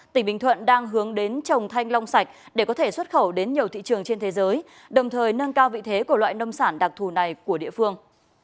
tỉnh bình thuận đang hướng đến trồng thanh long sạch để có thể xuất khẩu đến nhiều thị trường trên thế giới đồng thời nâng cao vị thế của loại nông sản đặc thù này của địa phương